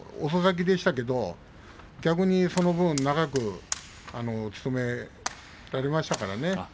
遅咲きでしたけど逆にその分長く務められましたからね。